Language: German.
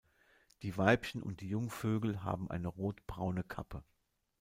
Die Weibchen und die Jungvögel haben eine rotbraune Kappe.